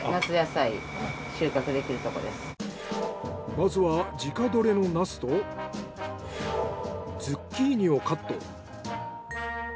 まずは自家採れのナスとズッキーニをカット。